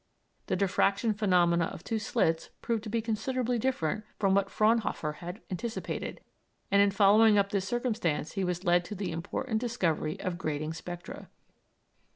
The diffraction phenomenon of two slits proved to be considerably different from what Fraunhofer had anticipated, and in following up this circumstance he was led to the important discovery of grating spectra.